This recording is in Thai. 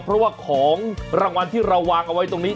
เพราะว่าของรางวัลที่เราวางเอาไว้ตรงนี้